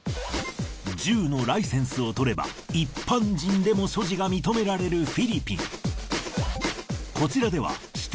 銃のライセンスを取れば一般人でも所持が認められるフィリピン。